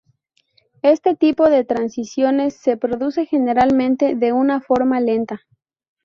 Este tipo de transiciones se produce generalmente de una forma lenta.